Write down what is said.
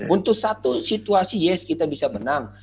untuk satu situasi yes kita bisa menang